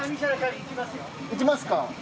行きますか？